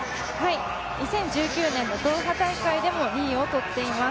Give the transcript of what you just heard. ２０１９年のドーハ大会でも２位を取っています。